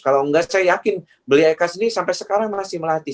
kalau tidak saya yakin blieka sendiri sampai sekarang masih melatih